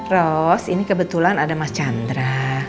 ros ini kebetulan ada mas chandra